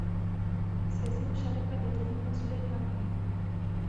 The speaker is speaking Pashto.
سیاسي مشارکت د ټولنې مسؤلیت هم دی